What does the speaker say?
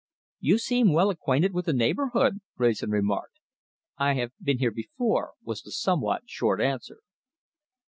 "You seem well acquainted with the neighbourhood," Wrayson remarked. "I have been here before," was the somewhat short answer.